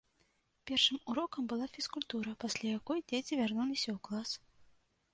Першым урокам была фізкультура, пасля якой дзеці вярнуліся ў клас.